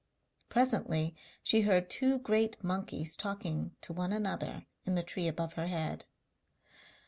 Presently she heard two great monkeys talking to one another in the tree above her head.